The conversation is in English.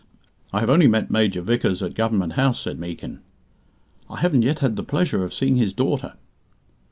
"I have only met Major Vickers at Government House," said Meekin. "I haven't yet had the pleasure of seeing his daughter."